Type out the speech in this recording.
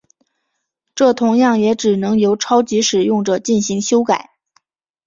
这同样也只能由超级使用者进行修改。